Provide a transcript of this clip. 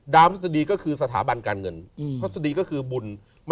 ดาร์มอศดีก็คือสถาบันการเงินอศดีก็คือบุญ